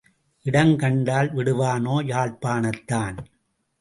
இடம் கண்டால் விடுவானோ யாழ்ப்பாணத்தான்.